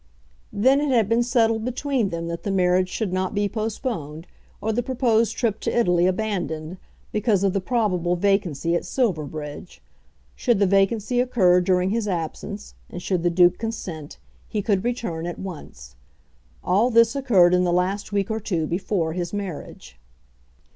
Then it had been settled between them that the marriage should not be postponed, or the proposed trip to Italy abandoned, because of the probable vacancy at Silverbridge. Should the vacancy occur during his absence, and should the Duke consent, he could return at once. All this occurred in the last week or two before his marriage.